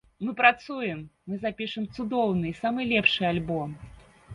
Мы працуем, мы запішам цудоўны і самы лепшы альбом.